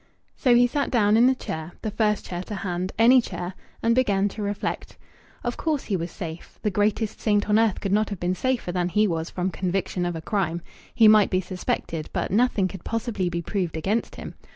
So he sat down in a chair, the first chair to hand, any chair, and began to reflect. Of course he was safe. The greatest saint on earth could not have been safer than he was from conviction of a crime. He might be suspected, but nothing could possibly be proved against him.